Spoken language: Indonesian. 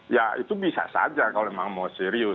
ya itu bisa saja kalau memang mau serius